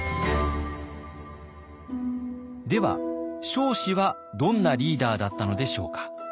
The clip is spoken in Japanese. では彰子はどんなリーダーだったのでしょうか？